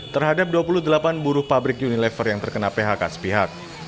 terhadap dua puluh delapan buruh pabrik unilever yang terkena phk sepihak